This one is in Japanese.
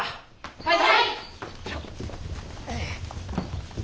はい！